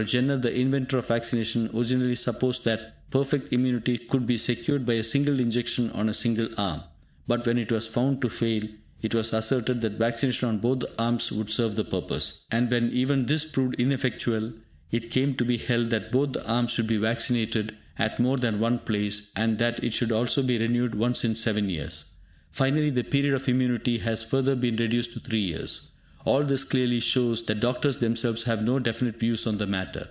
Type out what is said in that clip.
Jenner, the inventor of vaccination, originally supposed that perfect immunity could be secured by a single injection on a single arm; but when it was found to fail, it was asserted that vaccination on both the arms would serve the purpose; and when even this proved ineffectual, it came to be held that both the arms should be vaccinated at more than one place, and that it should also be renewed once in seven years. Finally, the period of immunity has further been reduced to three years! All this clearly shows that doctors themselves have no definite views on the matter.